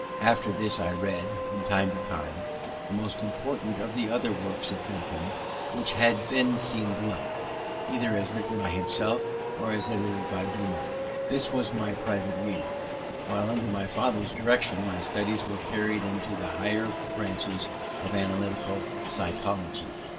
After this I read, from time to time, the most important of the other works of Bentham which had then seen the light, either as written by himself or as edited by Dumont. This was my private reading: while, under my father's direction, my studies were carried into the higher branches of analytic psychology.